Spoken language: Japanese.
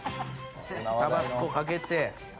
タバスコ掛けて。